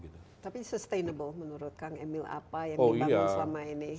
tapi sustainable menurut kang emil apa yang dibangun selama ini